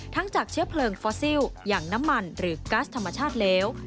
จากเชื้อเพลิงฟอสซิลอย่างน้ำมันหรือก๊าซธรรมชาติแล้ว